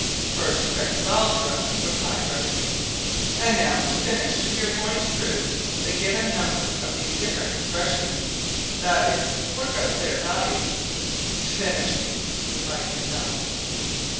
"First effects of algebra," replied Barbicane; "and now, to finish, we are going to prove the given number of these different expressions, that is, work out their value." "Finish me!" replied Michel.